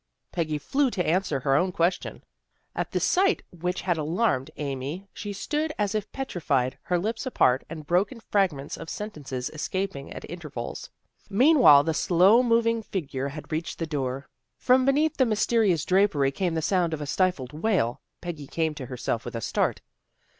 " Peggy flew to answer her own question. At the sight which had alarmed Amy she stood as if petrified, her lips apart, and broken fragments of sentences escaping at intervals. Meanwhile the slow moving figure had MAKING FRIENDS 39 reached the door. From beneath the mysteri ous drapery came the sound of a stifled wail. Peggy came to herself with a start.